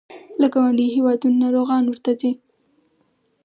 له ګاونډیو هیوادونو ناروغان ورته ځي.